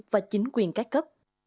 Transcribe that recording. và chính quyền các cấp